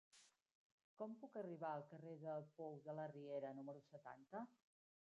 Com puc arribar al carrer del Pou de la Riera número setanta?